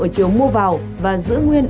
ở chiều mua vào và giữ nguyên